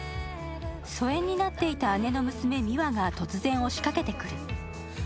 疎遠になっていた雨の娘、美和が突然押しかけてくる。